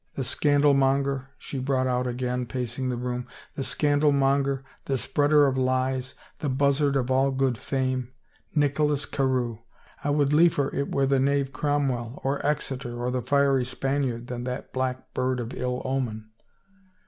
The scandal monger," she brought out, again pacing the room ;" the scandal monger, the spreader of lies, the buzzard of all good fame! Nicholas Carewe! I would liefer it were the knave Cromwell or Exeter or the fiery Spaniard than that black bird of ill omen